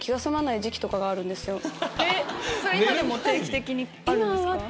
今でも定期的にあるんですか？